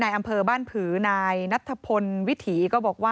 อำเภอบ้านผือนายนัทพลวิถีก็บอกว่า